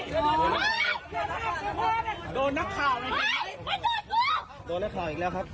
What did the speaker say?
เขาดังพี่เขาเลยนะครับมาช่วยผมก็อยู่ข้างพี่เขาครับ